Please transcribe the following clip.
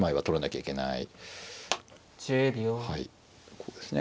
こうですね。